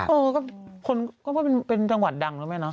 เออก็เป็นจังหวัดดังรู้ไหมเนอะ